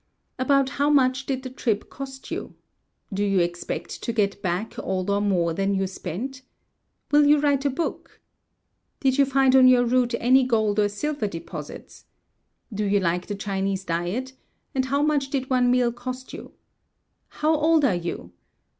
"About how much did the trip cost you? Do you expect to get back all or more than you spent? Will you write a book? "Did you find on your route any gold or silver deposits? 208 Across Asia on a Bicycle "Do you like the Chinese diet; and how much did one meal cost you? "How old are you?